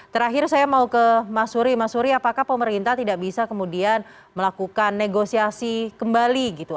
terakhir saya mau ke mas uri mas suri apakah pemerintah tidak bisa kemudian melakukan negosiasi kembali gitu